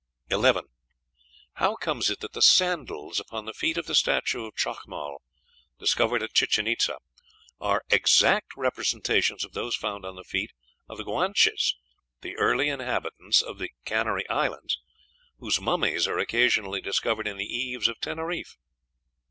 How comes it that the sandals upon the feet of the statue of Chacmol, discovered at Chichen Itza, are "exact representations of those found on the feet of the Guanches, the early inhabitants of the Canary Islands, whose mummies are occasionally discovered in the caves of Teneriffe?"